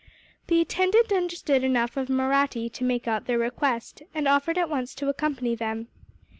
The attendant understood enough of Mahratti to make out their request, and offered at once to accompany them.